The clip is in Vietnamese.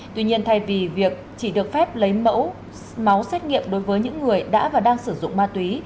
tuy nhiên thay vì việc chỉ được phép lấy mẫu máu xét nghiệm đối với những người đã và đang sử dụng ma túy